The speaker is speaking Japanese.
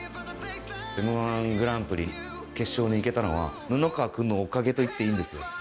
『Ｍ−１グランプリ』決勝に行けたのは布川君のおかげと言っていいんですよ。